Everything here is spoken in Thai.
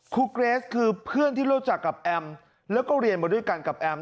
เกรสคือเพื่อนที่รู้จักกับแอมแล้วก็เรียนมาด้วยกันกับแอม